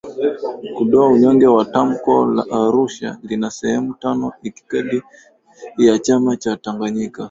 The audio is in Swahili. kuondoa unyonge waoTamko la Arusha lina sehemu tano Itikadi ya chama cha Tanganyika